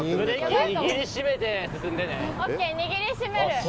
ＯＫ握り締める。